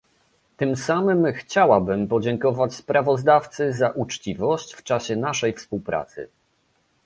Tym samym chciałabym podziękować sprawozdawcy za uczciwość w czasie naszej współpracy